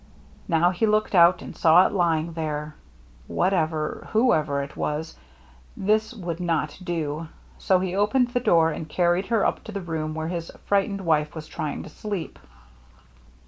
Now he looked out and saw it lying there. Whatever, whoever it was, this would not do ; so he opened the door and carried her up to the room where his frightened wife was trying to sleep.